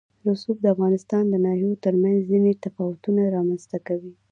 رسوب د افغانستان د ناحیو ترمنځ ځینې تفاوتونه رامنځ ته کوي.